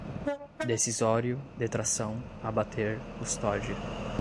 decisório, detração, abater, custódia